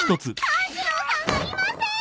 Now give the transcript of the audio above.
炭治郎さんがいません！